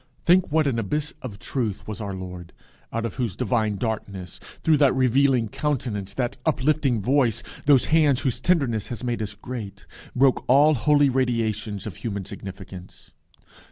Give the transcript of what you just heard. Think what an abyss of truth was our Lord, out of whose divine darkness, through that revealing countenance, that uplifting voice, those hands whose tenderness has made us great, broke all holy radiations of human significance.